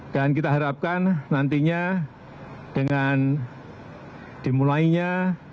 dan kita harapkan nantinya dengan dimulainya